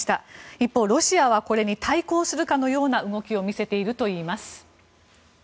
一方、ロシアはこれに対抗するかのような動きを見せています。